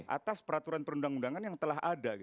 atas peraturan perundang undangan yang telah ada